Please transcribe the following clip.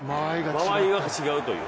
間合いが違うという。